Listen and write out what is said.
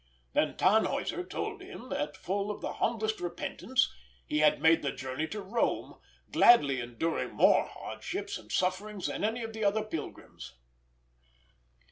Then Tannhäuser told him that, full of the humblest repentance, he had made the journey to Rome, gladly enduring more hardships and sufferings than any of the other pilgrims.